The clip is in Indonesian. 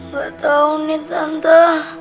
gak tau nih tante